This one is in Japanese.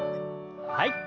はい。